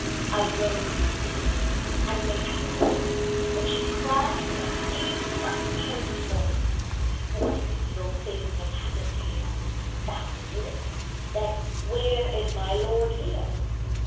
I rose to salute her, and make report, but she cried in a fierce, concentrated voice "What evil thing has happened here? Thou livest; then where is my lord Leo?